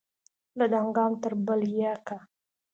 له دانګام تر بلهیکا